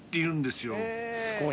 すごいな。